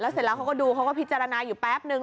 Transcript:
เสร็จแล้วเขาก็ดูเขาก็พิจารณาอยู่แป๊บนึง